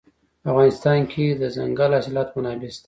په افغانستان کې د دځنګل حاصلات منابع شته.